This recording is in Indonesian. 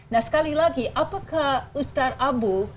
nah sekali lagi apakah ustadz abu